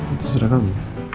itu sudah kamu